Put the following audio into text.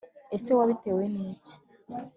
ese wabitewe n'iki ?